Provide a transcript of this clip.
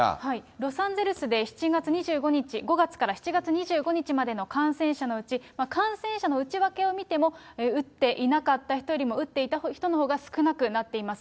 ロサンゼルスで７月２５日、５月から７月２５日までの感染者のうち、感染者の内訳を見ても、打っていなかった人よりも打っていた人のほうが少なくなっています。